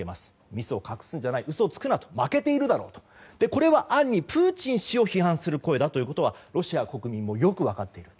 ミスを隠すんじゃない嘘をつくな、負けているだろうとこれは暗にプーチン氏を批判することになるということはロシア国民もよく分かっている。